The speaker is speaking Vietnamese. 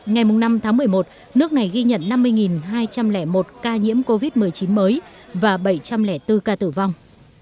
ngày năm tháng một mươi một nước này ghi nhận năm mươi hai trăm linh một ca nhiễm covid một mươi chín mới và bảy trăm linh bốn ca tử vong